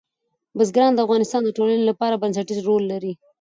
بزګان د افغانستان د ټولنې لپاره بنسټیز رول لري.